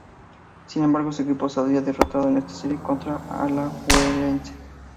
Sin embargo, su equipo saldría derrotado en esta serie contra Alajuelense.